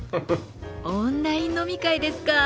オンライン飲み会ですか。